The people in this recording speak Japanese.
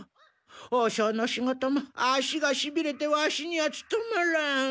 和尚の仕事も足がしびれてワシにはつとまらん。